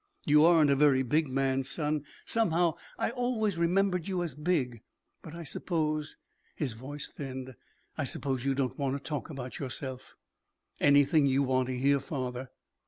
"You aren't a very big man, son. Somehow I always remembered you as big. But I suppose" his voice thinned "I suppose you don't want to talk about yourself." "Anything you want to hear, father."